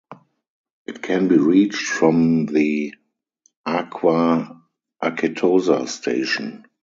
It can be reached from the Acqua Acetosa station.